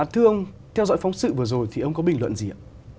thưa ông theo dõi phóng sự vừa rồi thì ông có bình luận gì ạ